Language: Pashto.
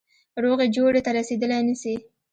روغي جوړي ته رسېدلای نه سي.